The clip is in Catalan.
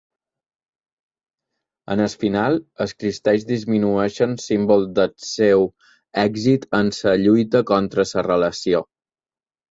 Al final, els cristalls disminueixen, símbol del seu èxit en la lluita contra la relació.